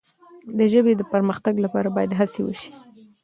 د ژبې د پرمختګ لپاره باید هڅه وسي.